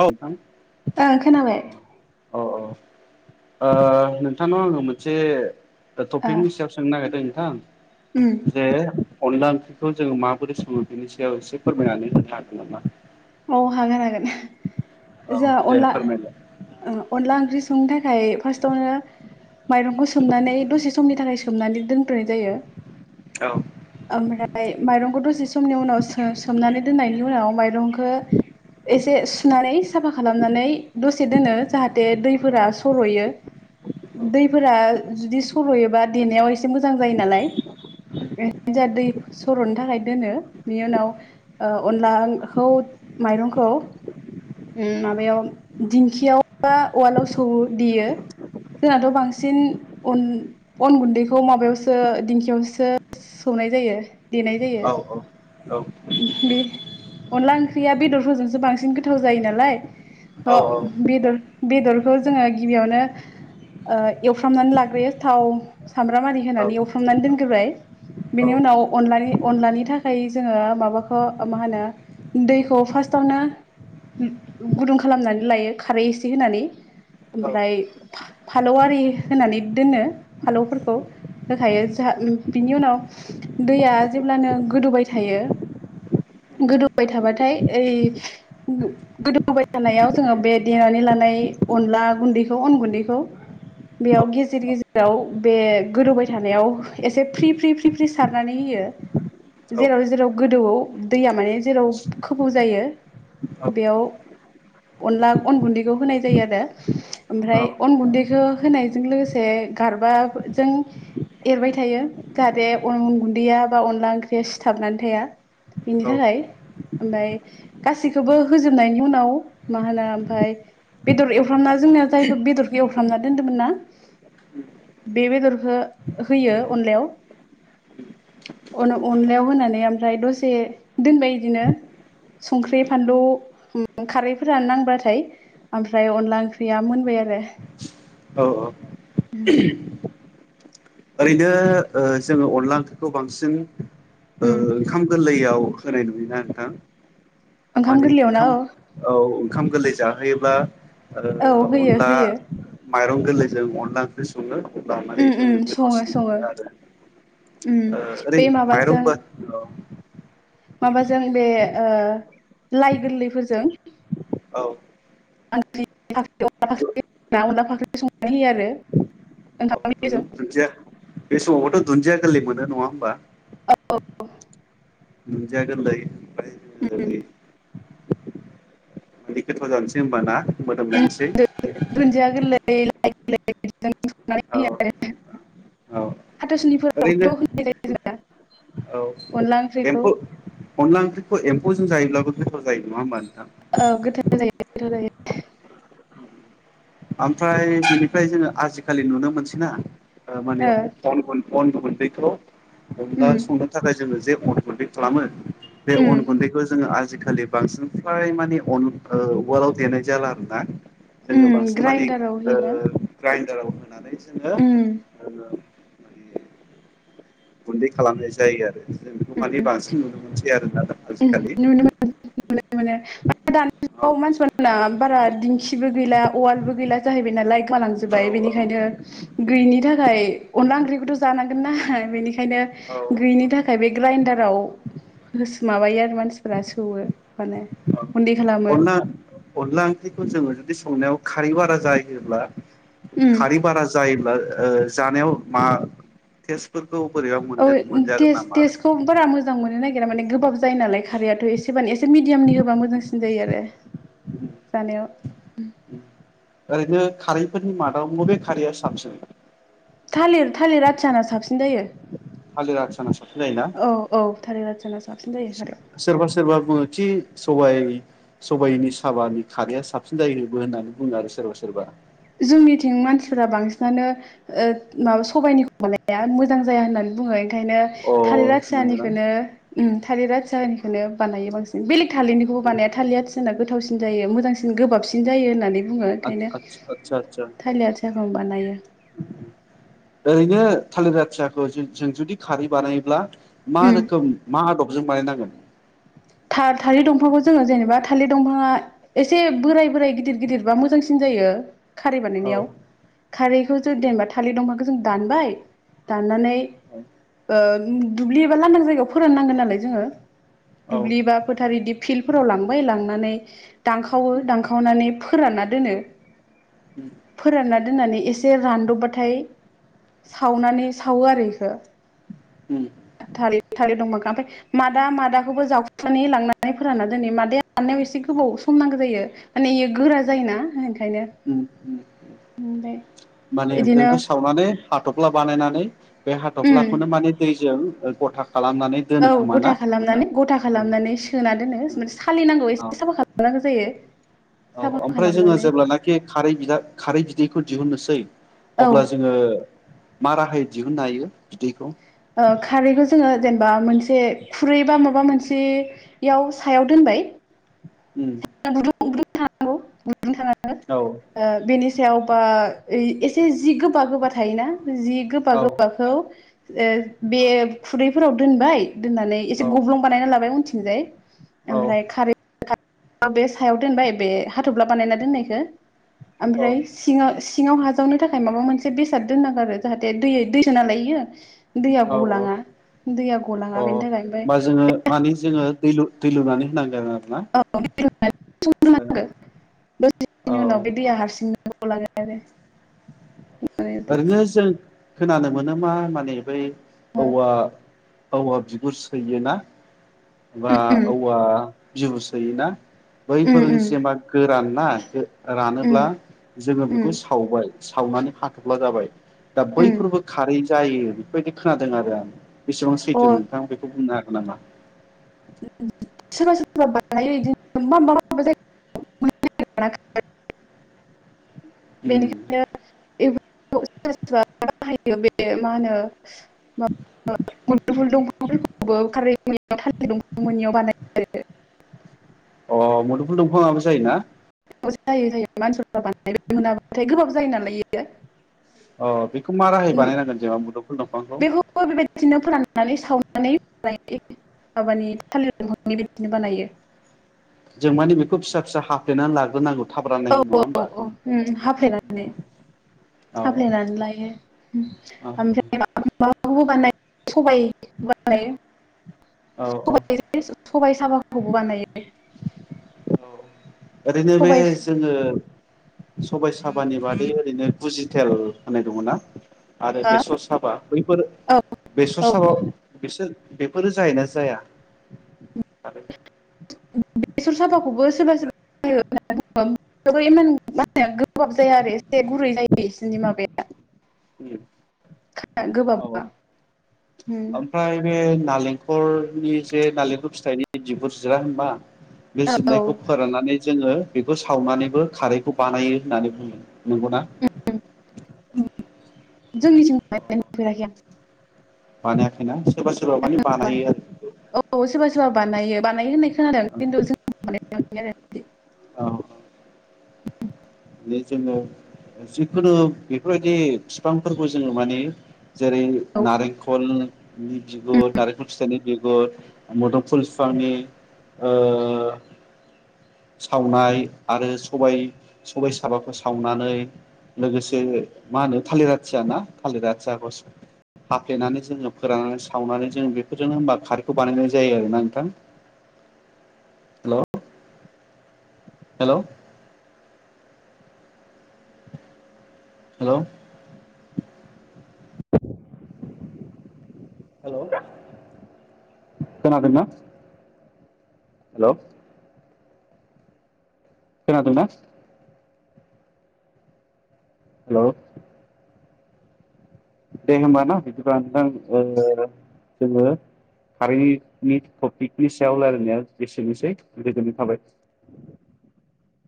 औ नोंथां ओं खोनाबाय। औ औ ओ नोंथांनाव आङो मोनसे ओ टपिकनि सायाव सोंनो नागिरदों नोंथां उम जे अनला ओंख्रिखौ जोङो माबोरै सङो बेनि सायाव एसे फोरमायनानै होनो हागोन नामा औ हागोन हागोन औ जों दे अनला फोरमायलाय अनला ओंख्रि संनो थाखाय फार्स्टावनो माइरंखौ सोमनानै दसे समनि थाखाय सोमनानै दोनथ्र'नाय जायो औ फ्राय माइरंखौ दसे समनि उनाव सो सोमनानै दोननायनि उनाव माइरंखौ एसे सुनानै साफा खालामनानै दसे दोनो जाहाथे दैफोरा सर'यो दैफोरा जुदि सर'योबा देनायाव एसे मोजां जायो नालाय जा दै सर'नो थाखाय दोनो बेनि उनाव अनलाखौ माइरंखौ उम माबायाव दिंखियाव बा उवालाव सौ देयो जोंनाथ' बांसिनन अन गुन्दैखौ माबायावसो दिंखियावसो सौनाय जायो देनाय जायो। औ बे अनला ओंख्रिया बेदरफोरजोंसो बांसिन गोथाव जायो नालाय। बेदर बेदरखौ जोङो गिबियावनो एवफ्रामनानै लाग्रोयो थाव सामब्रामारि होनानै एवफ्रामनानै दोनग्रोबाय। बेनि उनाव अनलानि अनलानि थाखाय जोङो माबाखौ मा होनो दैखौ फार्स्टावनो गुदुं खालामनानै लायो खारै एसे होनानै ओमफ्राय फालौ आरि होनानै दोनो फालौफोरखौ होखायो जा बिनि उनाव दैया जेब्लानो गोदौबाय थायो गोदौबाय थाबाथाय ओइ गोदौबाय थानायाव जोङो बे देनानै ला अला गुैखौ अन गुन्दैखौ बेयाव औ गेजेर गेजेराव बे गोदौबाय थानायाव एसे फ्रि फ्रि फ्रि फ्रि सारनानै होयो। यो औ जेराव जेराव गोदौवो दैया माने जेराव ख'फ जायो बेयाव अनला अन गुन्दैखौ होनाय जायो आरो। ओमफ्राय अन गुन्दैखौ होनायजों लोगोसे गारबा जों एरबाय थायो जाहाथे अन अन गुन्दैया बा अनला ओंख्रिया सिथाबनानै थाया। बिनि थाखाय ओमफफ्राय गासैखौबो होजोबनायनि उनाव मा होनो ओमफाय बेदर एवफ्रामना जोंनाया जायफोर बेदरखौ एवफ्रामना दोन्दोंमोन ना बे बेदर खो होयो अनलायाव अन अनलायाव होनानै आमफ्राय दसे दोनबाय बिदिनो संख्रि फानलु खारैफोरानो नांबाथाय ओमफ्राय अनला ओंख्रिया मोनबाय आरो। औ औ ओरैनो जोङो ओ अनला ओंख्रिखौ बांसिन ओ उम ओंखाम गोरलैयाव होनाय नुयोना नोंथां ओंखाम माने गोरलैयावना ओंखाम औ औ ओंखाम गोरलै जाहोयोब्ला औ ओ होयो अनला होयो माइरं गोरलैजों अनला ओंख्रि सङो अब्ला मानि उम उम जोङो सङो थावसिन सङो मोनो आरो उम ओ ओरै बे माबाजों माइरंफोर औ। माबाजों बे ओ लाइ गोरलैफोरजों [inaudible] औ औ ओंखाम गोरलैजों दुन्दिया बे समावबोथ' दुन्दिया गोरलै मोनो नङा होमबा? औ दुनजिया गोरलै उम ओरै बिदि गोथाव जानोसै होमबाना मोदोमलानोसै। [inaudible] औ औ हाथासुनिफोरावथ' ओरैनो होनाय जायो जोंना औ अनला ओंख्रिखौ एमफौ अनला ओंख्रिखौ एम्फौजों जायोब्लाबो गोथाव जायो नङा होमबा औ नोथां [inaudible] गोथाव जायो गोथाव जायो ओमफ्राय बिनिफ्राय जोङो आजिखालि नुनो मोनसैना ओ माने अन गुन्दैखौ अनला उम संनो थाखाय जोङो जे अन गुन्दै खालामो? बे उम अन गुन्दैखौ जोङो आजिखालि खालि बांसिन फ्राय माने अन उवालाव देनाय जाला आरो ना जोंङो उम बांसिन माने ग्राइन्डाराव ओ होयोना ग्राइनडाराव होनानै जोङो उम माने गुन्दै खालामनाय जायो आरो जों बेखौ माने बांसिन नुनो मोनसै आरोना दा उम आजिखालि। नुनो मोनो दानि औ जुगाव मानसिफोरा बारा दिंखिबो गैला उवालबो गैला जाहैबायना लाइक गोमालांजोबबाय औ बेनिखायनो गैयिनि थाखाय अनला ओंख्रिखौथ' जानांगोननाा बेनिखायनो नो गैयैनि थाखाय नाथाय बे ग्राइडाराव होसो माबायो आरो मानसिफोरा सौवो मानोे अनला-अनला ओंख्रिखौ जोङो जुदि संनायाव खारै बारा जायोब्ला उम खारै बारा जायोब्ला ओ जानायाव मा थेस्तफोर औस टेस्ट-टेस्टखौ बारा मोजां मोनो नागिरा ग माने गोबाब जायो नालाय खारैआथ' एसेब एसे मिडयामनि होबा मोजांसिन जायो आरो जानायाव। ओरैनो खारैफोरनि मादाव बबे खारैया साबसिन? थालिर -थालिर आथियाना साबसिन जायो। थालिर आथियाना साबसिन जायोना औ-औ थालिर आथियाना साबसिन जायो थार। सोरबा-सोरबा बुङो थि सबाय सबायाइनि साबानि खारैया साबसिन जायो होननानै बुङो आरो सोरबा-सोरबा। जोंनिथिं मानसिफोरा बांसिनानो माबा सबायाइनिखौ बानाया मोजां जाया होननानै बुङो ओंखायनो अ थालिर नंगौना आथियानिखोनो उम थालिरा आथियानिखौनो बानायो बांसिन। बेलेग थालिरनिखौबो बानाया थालिर आथियाना गोथावसिन जायो मोजांसिन जायो। गोबाबसिन जायो होननानै बुङो। ओंखायनो आस-आस-आटचा। थालिर आथियाखौ बानायो। ओरैनो थालिर आथियाखौ जों जुदि खारै बानायोब्ला मा उम रोखोम मा आदब जों बानायनांगोन? था-थालिर दंफांखौ जोङो जेनेबा थालिर दंफाङा एसे बोराय बोराय गिदिर गिदिर बा मोजांसिन जायो खारै औ बानायनायाव। खारैखौसो जेनबा थालिर दंफांखौ जों दानबाय दाननानै औ ओ दुब्लि एबा लान्दां जायगायाव फोराननांगोन नालाय जोङो। औ दुब्लि बा फोथार बिदि फिल्डफोराव लांबाय लांनानै दानखावो दानखावनानै फोरानना दोनो। फोरानना दोननानै एसे रानदबबाथाय सावनानै सावो आरो बेखो उम थालिर थालिर दंफांखो। ओमफ्राय मादा मादाखौबो जावखुनानै लांनानै फोराना दोनहैयो। मादाया एसे गोबाव सम नांगो जायो माने बेयो गोरा जायोना ओंखायनो। उम उम उम दे। माने ओमफ्राय बेखौ सावनानै हाथ'फ्ला बानायनानै बे उम हाथ'फ्लाखौनो माने दैजों ओ गथा खालामनानै औ दोनो खोमा ना गथा खालामनानै गथा खालामनानै सोना दोनो। मोनसे सालिनांगौ औ एसे साफा खालामनांगो जायो। औ साफा ओमफ्राय जोङो खालामनानै जेब्लानाखि खारै बिदा खारै बिदैखौ दिहुननोसै औ अब्ला जोङो मा राहायै दिहुननो हायो बिदैखौ? अ खारैखो जोङो जेनेबा मोनसे खुरैबा माबा मोनसेयाव सायाव दोनबाय। [inaudible] उम औ बेनि सायावबा एसे ऐ जि गोबा गोबा थायोना जि गोबा औ गोबाखौ ओ बे खुरैफोराव दोनबाय दोननानै एसे औ गब्लं बानायना लाबाय उनथिंजाय। ओमफ्राय औ खारै [unintelligible] बे सायाव दोनबाय बे हाथ'फ्ला बानायना दोननायखो। ओमफ्राय सिङाव सिङाव आजावनो थाखाय माबा मोनसे बेसाद दोननांगो आरो जाहाथे दै-दैसो नालाय दैआ गलाङा दैआ गलाङा। बेनि थाखाय बा जोङो मानि जोङो दै लु दै लुनानै होनांगोन आरो? [inaudible] होनांगो औ दसेनि उनाव‌ बे दैया हारसिं [inaudible] ओरैनो जों खोनानो मोनो मा माने बै औवा औवा बिगुर सैयोना बा उम औवा बिबु सैयोना उम बैफोर उम जेनबा गोरान ना उम रानोब्ला जोङो उम बेखौ सावबाय। सावनानै हाथ'फ्ला जाबाय दा उम बैफोरबो खारै जायो बेफोर बायदि खोनादों आरो आं। बेसेबां अ सैथो नोंथां बेखौ बुंनो हागोन नामा? सोरबा सोरबा बानायो गदिनो [unintelligible] जायो। [inaudible] बेनिखायनो [inaudible] बाहायो बे मा होनो मुदुफुल दंफोरखौबो खारै थालिर दंफा मोननियाव बानायो। [inaudible] अ मुदुफुल दंफाआबो जायोना? जायो जायो मानसिफ्रा बानायो मोनाबाथाय गोबाब जायो नालाय इयो। अ बेखौ मा राहायै बानाय नांगोन जेनबा मुदुमफुल दं बेखौबो बेबायदिनो फोराननानै सावनानै बानायनाय जायो। माबानि थालिर दफांनि बायदिनो बानायो। जों माने बेखौ फिसा फिसा हाफ्लेनानै लाग्रोनांगौ। थाब राननायनि औ- नङा औ होमबा? -औ हाफ्लेनानै। औ हाफ्लेनानै लायो औ ओमफ्राय। [inaudible] औ खौबो बानायो। औ ओरैनो बे सबाइ जोङो। सबाय साबानि बादै ओरैनो बुजिटेल होननाय दङ ना। आरो हा बेसर साबा बैफोर औ बेसर औ साबा बिसोर बेफोरो जायोना जाया आरो। बेसर साबाखौबो सोरबा सोरबा [unintelligible] [inaudible] माबाया औ गोबाबा औ ओमफ्राय बे‌ नालें नालेंखरनि जे नालेंखर फिथाइनि बिगुर जिरा होनबा बे औ जिरनायखौ फोराननानै जोङो बेखौ सावनानैबो खारैखौ बानायो होननानै बुङो। नोंगौना। जोंनिथिं नुफेराखै आं। बानायाखैना। सोरबा सोरबा माने बानायो आरो औ सोरबा सोरबा बानायो बानायो होननाय खोनादों खिन्थु जों [inaudible] औ - औ। [inaudible] बे जोङो जिखुनु बेफोर बायदि बिफांफोरखौ जोङो माने। जेरै औ नारेंखल। बिगुर नारेंखल फिथाइनि बिगुर मोदोमफुल बिफांनि सावनाय आरो स'बाय सबाय साबाखौ सावनानै लोगोसे मा होनो थालिर आथिया ना थालिर आथियाखौ हाफ्लेनानै जोङो फोराननानै सावनानै जोङो बेफोरजोंनो बेफोरजोंनो खारैखौ बानायनाय जायो आरोना नोंथां [unintelligible] हेल' हेल' हेल' [unintelligible] हेल' खोनादोंना हेल' खोनादोंना हेल' दे होमबा न' बिदिब्लाा नोंथां जोङो खारैनि टपिकनि सायाव रायलायनाया एसेनोसै गोजोननाय थाबाय [unintelligible]